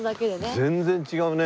全然違うね。